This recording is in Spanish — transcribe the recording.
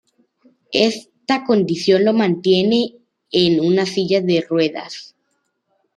Esta condición lo mantiene en una silla de ruedas.